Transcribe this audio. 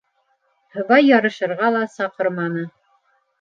Һыбай ярышырға ла саҡырманы.